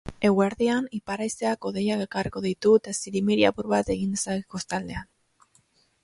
Eguerdian ipar-haizeak hodeiak ekarriko ditu eta zirimiri apur bat egin dezake kostaldean.